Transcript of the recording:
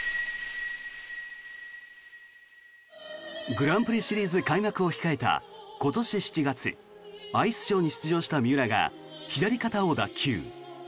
グランプリシリーズ開幕を控えた今年７月アイスショーに出場した三浦が左肩を脱臼。